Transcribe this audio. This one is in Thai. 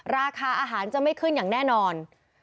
ราคาอาหารจะไม่ขึ้นอย่างแน่นอน